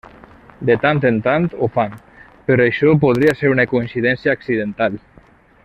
De tant en tant ho fan, però això podria ser una coincidència accidental.